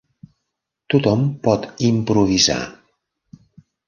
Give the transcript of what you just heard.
Tothom pot improvisar.